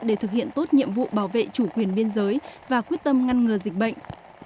để thực hiện tốt nhiệm vụ bảo vệ chủ quyền biên giới và quyết tâm ngăn ngừa dịch bệnh